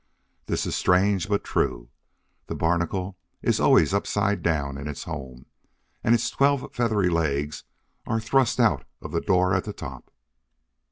This is strange, but true! The Barnacle is always upside down in its home, and its twelve feathery legs are thrust out of the door at the top.